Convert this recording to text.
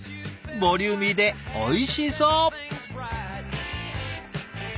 ボリューミーでおいしそう。